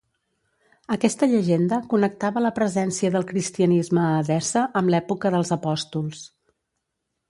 Aquesta llegenda connectava la presència del cristianisme a Edessa amb l'època dels apòstols.